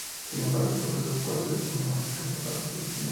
Sin embargo, la fastuosa corte de Otón era una carga para sus finanzas.